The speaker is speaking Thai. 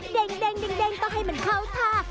เด้งต้องให้มันเข้าท่า